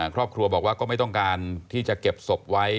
ครอบครัวบอกว่าก็ไม่ต้องการที่จะเก็บศพไว้